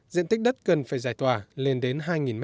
diện tích đất cần phải giải tỏa lên đến hai m hai